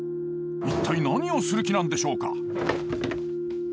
一体何をする気なんでしょうか？